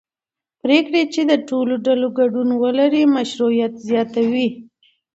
پرېکړې چې د ټولو ډلو ګډون ولري مشروعیت زیاتوي